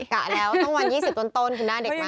กะแล้วต้องวัน๒๐ต้นคือหน้าเด็กมาก